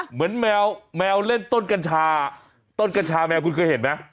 เหมือนแมวแมวเล่นต้นกัญชาต้นกัญชาแมวคุณเคยเห็นไหม